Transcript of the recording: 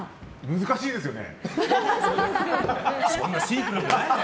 難しいですよね。